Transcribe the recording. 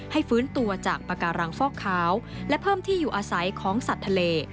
ฟื้นตัวจากปากการังฟอกขาวและเพิ่มที่อยู่อาศัยของสัตว์ทะเล